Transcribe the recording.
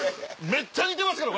めっちゃ似てますから！